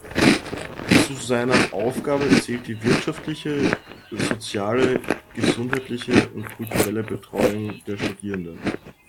Zu seiner Aufgabe zählt die wirtschaftliche, soziale, gesundheitliche und kulturelle Betreuung der Studierenden.